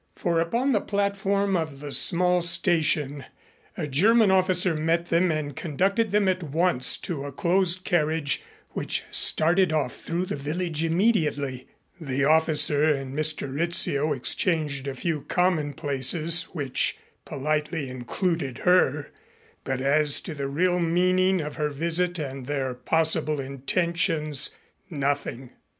For upon the platform of the small station a German officer met them and conducted them at once to a closed carriage which started off through the village immediately. The officer and Mr. Rizzio exchanged a few commonplaces which politely included her, but as to the real meaning of her visit and their possible intentions nothing.